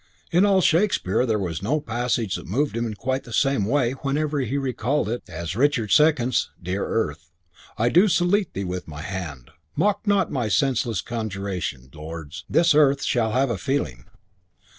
In all Shakespeare there was no passage that moved him in quite the same way whenever he recalled it as Richard the Second's Dear earth, I do salute thee with my hand.... Mock not my senseless conjuration, lords, This earth shall have a feeling....